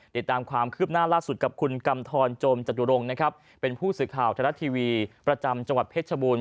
ติดตามความคืบหน้าล่าสุดกับคุณกำทรโจมจตุรงค์นะครับเป็นผู้สื่อข่าวไทยรัฐทีวีประจำจังหวัดเพชรชบูรณ